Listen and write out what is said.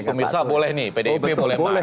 jadi pemirsa boleh nih pdip boleh marah